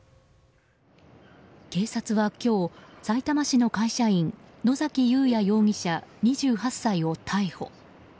警察は今日さいたま市の会社員野崎祐也容疑者、２８歳を逮捕。